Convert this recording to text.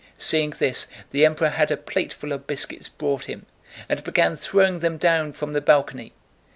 Seeing this the Emperor had a plateful of biscuits brought him and began throwing them down from the balcony.